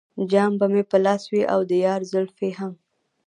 جام به مې په لاس وي او د یار زلفې هم.